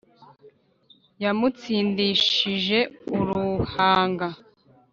Yamutsindishije uruhanga